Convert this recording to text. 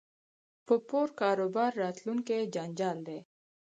په پور کاروبار راتلونکی جنجال دی